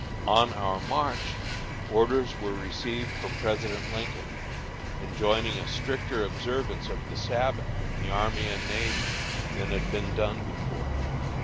On our march, orders were received from President Lincoln enjoining a stricter observance of the Sabbath in the army and navy, than had been done before.